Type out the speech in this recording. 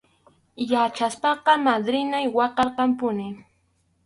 Yachaspaqa madrinay waqarqanpunim.